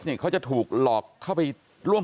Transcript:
เพื่อนของไอซ์นะครับเกี่ยวด้วย